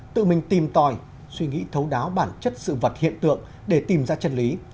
tự mình tìm tòi suy nghĩ thấu đáo bản chất sự vật hiện tượng để tìm ra chân lý